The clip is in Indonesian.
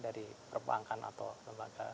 dari perbankan atau lembaga